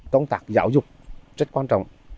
công tác giáo dục rất quan trọng